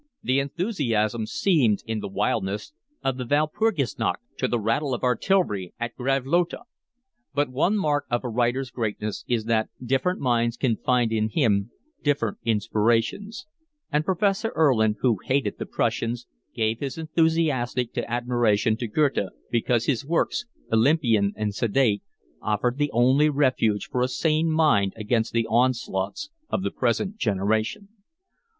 The enthusiastic seemed in the wildness of the Walpurgisnacht to hear the rattle of artillery at Gravelotte. But one mark of a writer's greatness is that different minds can find in him different inspirations; and Professor Erlin, who hated the Prussians, gave his enthusiastic admiration to Goethe because his works, Olympian and sedate, offered the only refuge for a sane mind against the onslaughts of the present generation.